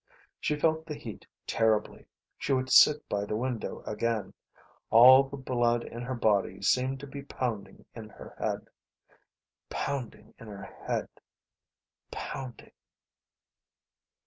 She felt the heat terribly. She would sit by the window again. All the blood in her body seemed to be pounding in her head ... pounding in her head ... pounding....